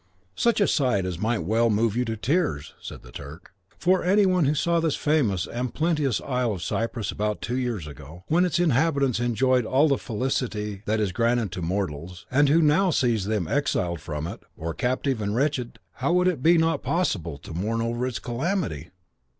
"Such a sight as that might well move you to tears," said the Turk; "for any one who saw this famous and plenteous isle of Cyprus about two years ago, when its inhabitants enjoyed all the felicity that is granted to mortals, and who now sees them exiled from it, or captive and wretched, how would it be possible not to mourn over its calamity?